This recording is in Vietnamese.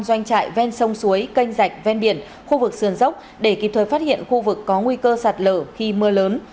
doanh trại ven sông suối canh rạch ven biển khu vực sườn dốc để kịp thời phát hiện khu vực có nguy cơ sạt lở khi mưa lớn